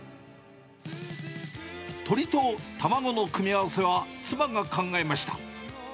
鶏と卵の組み合わせは、妻が考えました。